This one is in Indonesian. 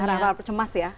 walaupun kebahagiaan cemas ya